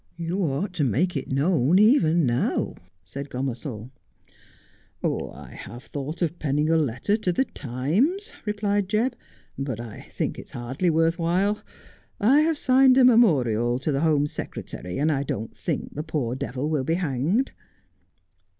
' You ought to make it known even now,' said Gomersall. ' I have thought of penning a letter to the Times,' replied Jebb, ' but I think it's hardly worth while.' I have signed a At the 'Sugar Loaves.' 83 memorial to the Home Secretary, and I don't think the poor devil will be hanged.'